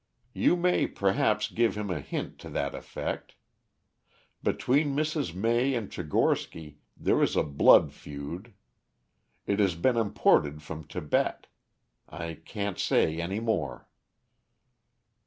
You may, perhaps, give him a hint to that effect. Between Mrs. May and Tchigorsky there is a blood feud. It has been imported from Tibet. I can't say any more."